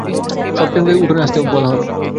সব টিমকে উঠোনে আসতে বলো।